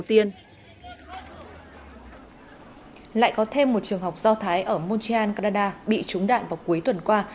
đầu tiên lại có thêm một trường học do thái ở montreal canada bị trúng đạn vào cuối tuần qua